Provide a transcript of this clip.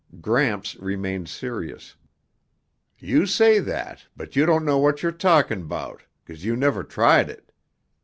Gramps remained serious. "You say that, but you don't know what you're talking 'bout 'cause you never tried it.